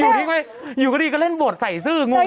อยู่ทิกไหมอยู่ก็ดีแต่ก็เร่งเบิดใสซื่องง